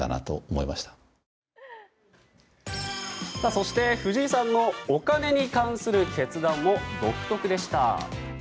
そして、藤井さんのお金に関する決断も独特でした。